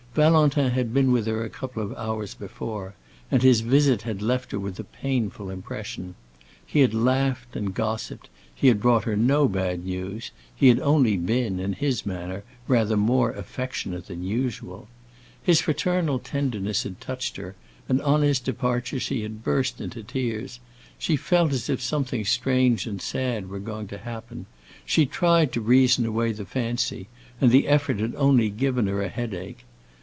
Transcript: Valentin had been with her a couple of hours before, and his visit had left her with a painful impression. He had laughed and gossiped, he had brought her no bad news, he had only been, in his manner, rather more affectionate than usual. His fraternal tenderness had touched her, and on his departure she had burst into tears. She had felt as if something strange and sad were going to happen; she had tried to reason away the fancy, and the effort had only given her a headache.